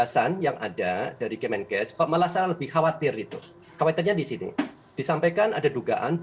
saya ke mas ismail